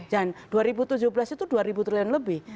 dan dua ribu tujuh belas itu dua ribu triliun lebih